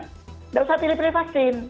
tidak usah pilih pilih vaksin